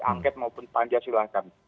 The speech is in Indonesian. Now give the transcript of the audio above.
angket maupun panja silahkan